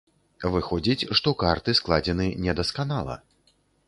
Выходзіць, што карты складзены недасканала.